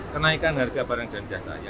kenaikan harga barang dan jasanya